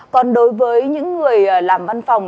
còn đối với những người làm văn phòng